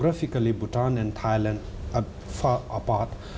แม้ที่บุตตานและไทยความสูงหลัง